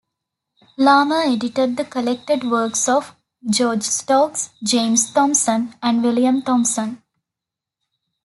Larmor edited the collected works of George Stokes, James Thomson and William Thomson.